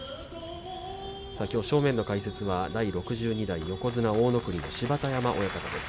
正面の解説は第６２代横綱大乃国芝田山親方です。